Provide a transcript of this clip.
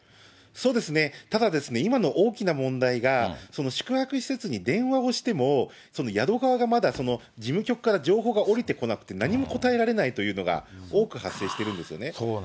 ただ、今の大きな問題が、宿泊施設に電話をしても、宿側がまだ事務局から情報が下りてこなくて、何も答えられないというのが多く発生しているんですよね。